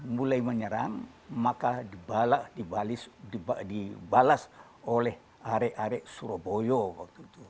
mulai menyerang maka dibalas oleh arek arek surabaya